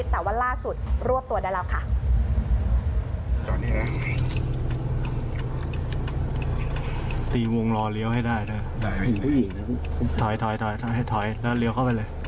แต่ว่าล่าสุดรวบตัวได้แล้วค่ะ